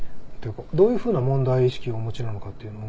どういうふうな問題意識をお持ちなのかっていうのを。